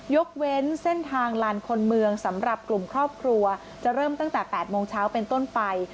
ยกเว้นเส้นทางลานคนเมืองสำหรับกลุ่มครอบครัวจะเริ่มตั้งแต่๘โมงเช้าเป็นต้นไป